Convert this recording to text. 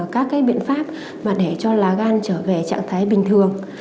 các biện pháp để cho lá gan trở về trạng thái bình thường